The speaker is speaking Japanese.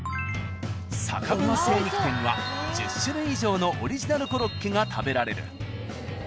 「坂文精肉店」は１０種類以上のオリジナルコロッケが食べられる。